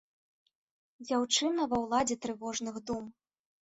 Дзяўчына ва ўладзе трывожных дум.